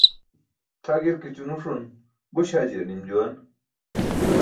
Tʰa gi̇rki̇ćo nuṣun buś hajiyar nim juwan.